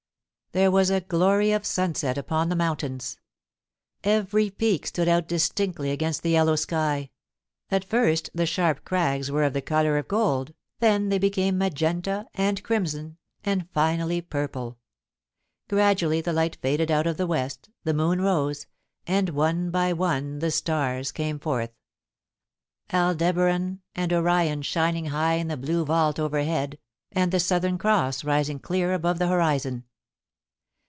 There was a glory of sunset upon the mountains. Every peak stood out distinctly against the yellow sky. At first the sharp crags were of the colour of gold, then they became magenta and crimson, and finally purple. Gradually the light faded out of the west, the moon rose, and one by one the stars came forth ; Aldebaran.and Orion shining high in 2CS4 POLICY AND PASSION. the blue vault overhead, and the Southern Cross rising clear above the horizon.